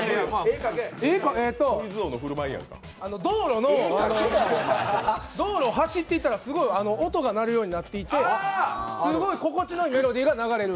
えっと道路の道路を走っていたらすごい音が鳴るようになっていてすごい心地いいメロディーが流れる。